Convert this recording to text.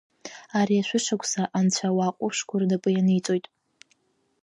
Ари ашәышықәса Анцәа ауаа ҟәышқәа рнапы ианиҵоит.